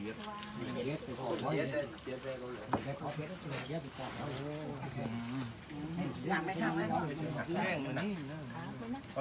น้ำปลาบึกกับซ่าหมกปลาร่า